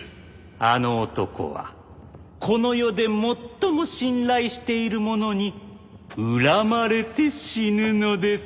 あの男はこの世で最も信頼している者に恨まれて死ぬのです。